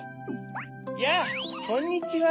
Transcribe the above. やぁこんにちは。